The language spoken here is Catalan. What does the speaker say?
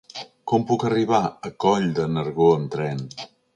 Com puc arribar a Coll de Nargó amb tren?